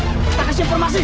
kita kasih informasi